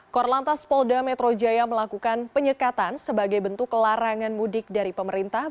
korlantas polda metro jaya melakukan penyekatan sebagai bentuk larangan mudik dari pemerintah